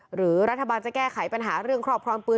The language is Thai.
หรือรัฐบาลจะแก้ไขปัญหาเรื่องครอบครองปืน